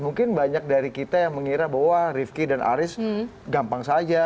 mungkin banyak dari kita yang mengira bahwa rifki dan aris gampang saja